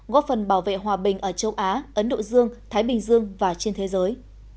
góp phần bảo vệ hòa bình ở châu á ấn độ dương thái bình dương và trên thế giới